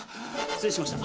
失礼しました。